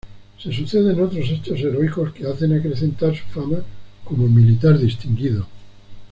Se suceden otros hechos heroicos que hacen acrecentar su fama como militar distinguido.